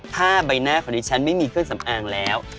ถ้าใบหน้าของดิฉันไม่มีเครื่องสำอางแล้ว